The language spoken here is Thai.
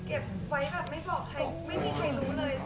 เก็บไว้แบบไม่บอกใครไม่มีใครรู้เลย